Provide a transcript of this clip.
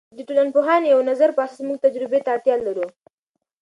د ټولنپوهانو د یوه نظر په اساس موږ تجربې ته اړتیا لرو.